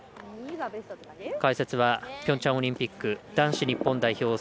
解説はピョンチャンオリンピック男子日本代表